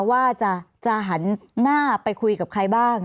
ว่าจะหันหน้าไปคุยกับใครบ้าง